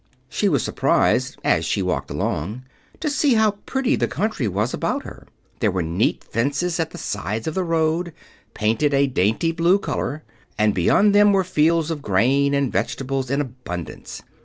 She was surprised, as she walked along, to see how pretty the country was about her. There were neat fences at the sides of the road, painted a dainty blue color, and beyond them were fields of grain and vegetables in abundance.